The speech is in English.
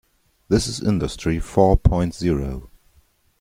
This is industry four point zero.